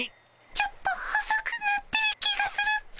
ちょっと細くなってる気がするっピ。